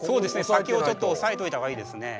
先をちょっと押さえておいた方がいいですね。